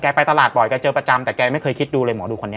ไปตลาดบ่อยแกเจอประจำแต่แกไม่เคยคิดดูเลยหมอดูคนนี้